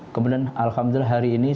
kemudian alhamdulillah hari ini